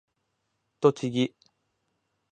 栃木